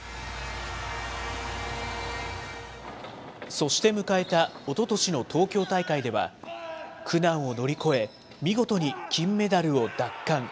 そして迎えたおととしの東京大会では、苦難を乗り越え、見事に金メダルを奪還。